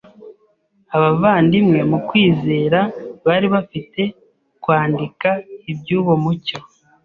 abavandimwe mu kwizera bari bafite kwandika iby’uwo mucyo